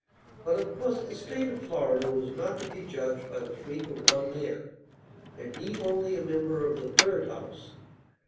But of course the State of Florida was not to be judged by the freak of one man, and he only a member of the "third house."